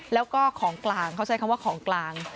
แล้วก็ของกลางเขาใช้คำว่าของกลาง